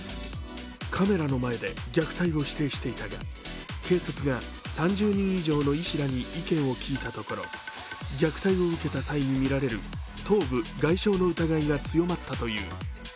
カメラの前で虐待を否定していたが警察が３０人以上の医師らに意見を聞いたところ虐待を受けた際に見られる頭部外傷の疑いが強まったという。